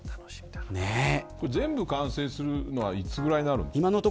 全部完成するのはいつぐらいになるんですか。